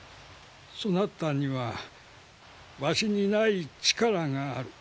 そなたにはわしにない力がある。